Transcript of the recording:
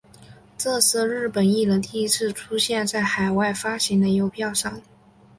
这是日本艺人第一次出现在海外发行的邮票上。